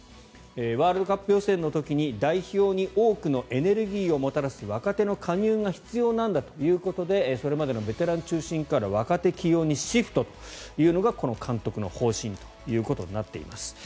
ワールドカップ予選の時に代表に多くのエネルギーをもたらす若手の加入が必要なんだということでそれまでのベテラン中心から若手起用にシフトというのがこの監督の方針となっています。